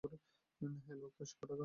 Hello, cash টাকা আছে?